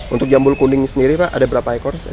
untuk jambul kuning sendiri pak ada berapa ekor